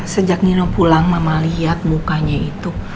sejak nino pulang mama lihat mukanya itu